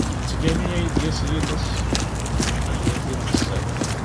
Yettgami ad yi-d-yas yiḍes, ah ya ddin qessam!